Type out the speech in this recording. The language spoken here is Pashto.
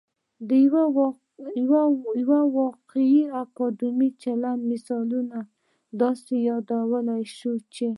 د یو واقعي اکادمیک چلند مثالونه داسې يادولای شو چې